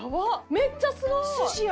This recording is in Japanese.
めっちゃすごい！寿司や！